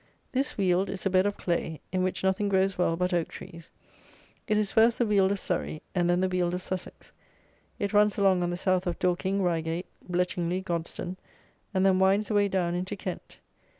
This Weald is a bed of clay, in which nothing grows well but oak trees. It is first the Weald of Surrey and then the Weald of Sussex. It runs along on the South of Dorking, Reigate, Bletchingley, Godstone, and then winds away down into Kent.